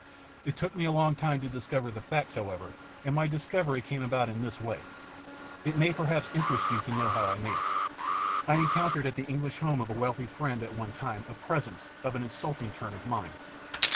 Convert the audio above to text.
It took me a long time to discover the facts, however, and my discovery came about in this way. It may perhaps interest you to know how I made it. I encountered at the English home of a wealthy friend at one time a "presence" of an insulting turn of mind.